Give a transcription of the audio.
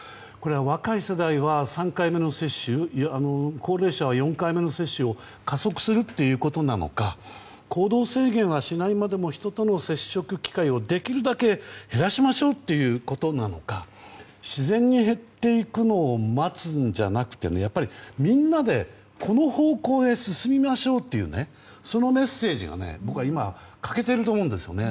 若い世代は３回目の接種高齢者は４回目の接種を加速するということなのか行動制限はしないまでも人との接触機会をできるだけ減らしましょうということなのか自然に減っていくのを待つんじゃなくてみんなでこの方向へ進みましょうっていうそのメッセージが僕は今欠けていると思うんですよね。